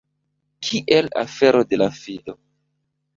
Kiel afero de la fido!